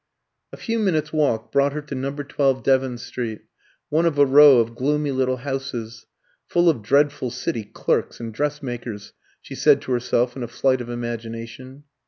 A few minutes' walk brought her to No. 12 Devon Street, one of a row of gloomy little houses "full of dreadful city clerks and dressmakers," she said to herself in a flight of imagination.